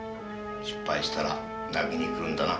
失敗したら泣きに来るんだな